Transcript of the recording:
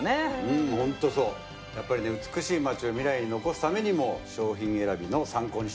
うんホントそうやっぱりね美しい町を未来に残すためにも商品選びの参考にしたいですね